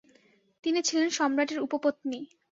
তিনি ছিলেন সম্রাটের উপপত্নী।